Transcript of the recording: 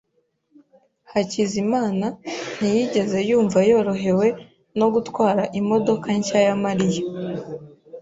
Hakizimana ntiyigeze yumva yorohewe no gutwara imodoka nshya ya Mariya.